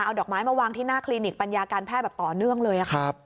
เอาดอกไม้มาวางที่หน้าคลินิกปัญญาการแพทย์แบบต่อเนื่องเลยครับ